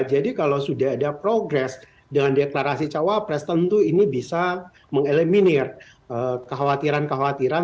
jadi kalau sudah ada progres dengan deklarasi cawapres tentu ini bisa mengeliminir kekhawatiran kekhawatiran